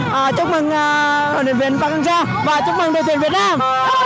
và chúc mừng huy trương hoàng và chúc mừng đội tuyển việt nam